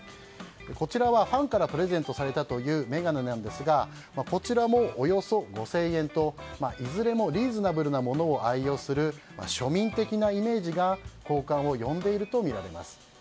こちらは、ファンからプレゼントされたという眼鏡なんですがこちらも、およそ５０００円といずれもリーズナブルなものを愛用する庶民的なイメージが好感を呼んでいるとみられます。